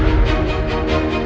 aku mau pergi